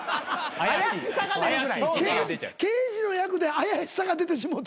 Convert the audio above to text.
刑事の役で怪しさが出てしもうたん？